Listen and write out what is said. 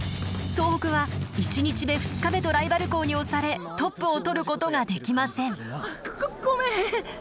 総北は１日目２日目とライバル校に押されトップをとることができません。